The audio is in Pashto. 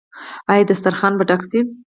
آیا دسترخان به ډک شي؟